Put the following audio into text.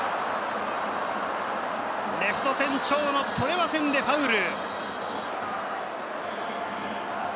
レフト線・長野、捕れませんでファウル。